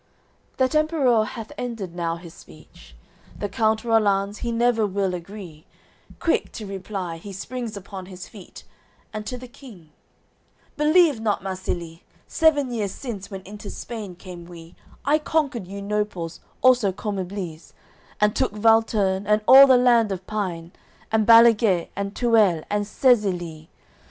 XIV That Emperour hath ended now his speech. The Count Rollanz, he never will agree, Quick to reply, he springs upon his feet; And to the King, "Believe not Marsilie. Seven years since, when into Spain came we, I conquer'd you Noples also Commibles, And took Valterne, and all the land of Pine, And Balaguet, and Tuele, and Sezilie.